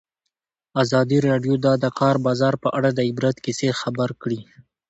ازادي راډیو د د کار بازار په اړه د عبرت کیسې خبر کړي.